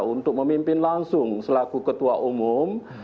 untuk memimpin langsung selaku ketua umum